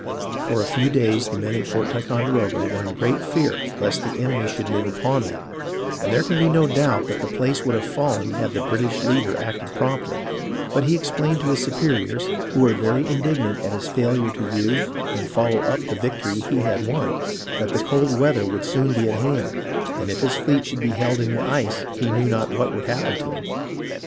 For a few days the men in Fort Ticonderoga were in great fear lest the enemy should move upon them, and there can be no doubt that the place would have fallen had the British leader acted promptly ; but he explained to his superiors, who were very indignant at his failure to use and follow up the victory he had won, that the cold weather would soon be at hand, and if his fleet should be held in the ice he knew not what would happen to him.